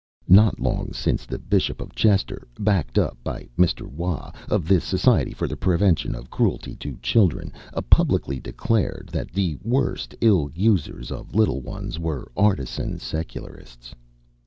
Not long since the Bishop of Chester, backed up by Mr. Waugh, of the Society for the Prevention of Cruelty to Children, publicly declared that the worst ill users of little ones were artisan Secularists.